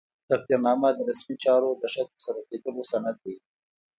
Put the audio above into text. تقدیرنامه د رسمي چارو د ښه ترسره کولو سند دی.